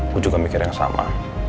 aku juga mikir yang sama